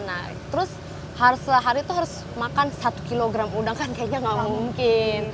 nah terus sehari itu harus makan satu kilogram udang kan kayaknya nggak mungkin